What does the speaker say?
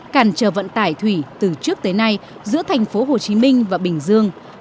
cản trở vận tải thủy từ trước tới nay giữa thành phố hồ chí minh và bình dương